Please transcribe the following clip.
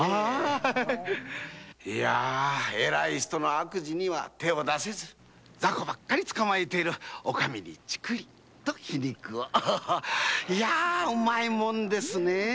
偉い人の悪事には手が出せず雑魚ばっかり捕まえているお上にチクリと皮肉をうまいもんですね。